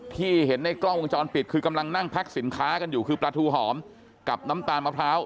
ที่เห็นในกล้องวงจรปิดคือกำลังนั่งแพ็คสินค้ากันอยู่คือปลาทูหอมกับน้ำตาลมะพร้าว